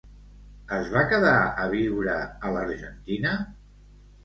Es va quedar a viure a l'Argentina?